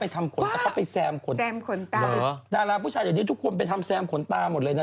ทาตาลประไปทรรมขนสแซมขนดาราผู้ชายถึงทุกคนไปทรรมขนตาหมดเลยนะ